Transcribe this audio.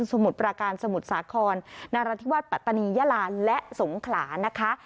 สมุดปราการสมุดสาขอนนรธิวัติปัตตานียะลาและสงขลานะคะ